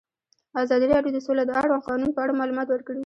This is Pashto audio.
ازادي راډیو د سوله د اړونده قوانینو په اړه معلومات ورکړي.